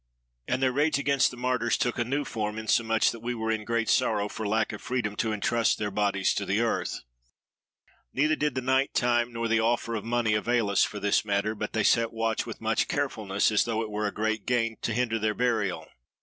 And their rage against the Martyrs took a new form, insomuch that we were in great sorrow for lack of freedom to entrust their bodies to the earth. "Neither did the night time, nor the offer of money, avail us for this matter; but they set watch with much carefulness, as though it were a great gain to hinder their burial.